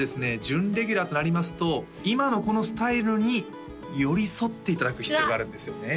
準レギュラーとなりますと今のこのスタイルに寄り添っていただく必要があるんですよね